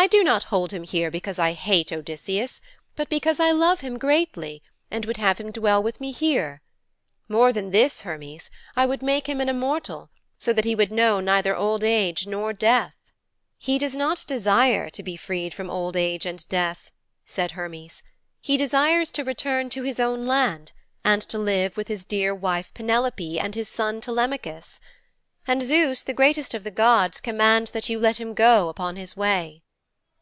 I do not hold him here because I hate Odysseus, but because I love him greatly, and would have him dwell with me here, more than this, Hermes, I would make him an immortal so that he would know neither old age nor death.' 'He does not desire to be freed from old age and death,' said Hermes, 'he desires to return to his own land and to live with his dear wife, Penelope, and his son, Telemachus. And Zeus, the greatest of the gods, commands that you let him go upon his way.'